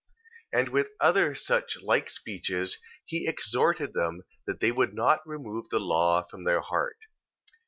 2:3. And with other such like speeches, he exhorted them that they would not remove the law from their heart.